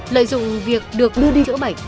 lợi dụng việc được bắt buộc chữa bệnh